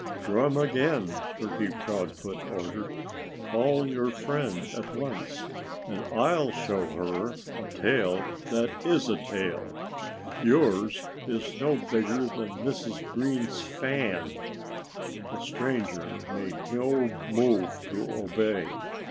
"Drum again!" Turkey Proudfoot ordered. "Call your friend at once and I'll show her a tail that is a tail. Yours is no bigger than Mrs. Green's fan." The stranger made no move to obey.